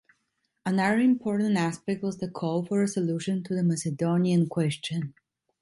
Another important aspect was the call for a solution to the Macedonian Question.